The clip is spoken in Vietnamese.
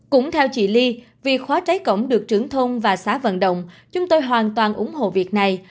cũng theo chị ly vì khóa trái cổng được trưởng thôn và xá vận động chúng tôi hoàn toàn ủng hộ việc này